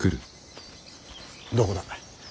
どこだ。